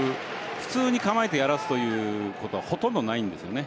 普通に構えてやらせるということはほとんどないんですよね。